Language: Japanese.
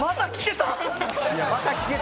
また聞けた！